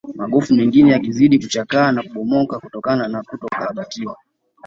Magofu mengine yakizidi kuchakaa na kubomoka kutokana na kutokarabatiwa